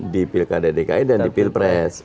di pilkada dki dan di pilpres